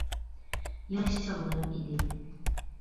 ياش چاغلىرىم ئىدى .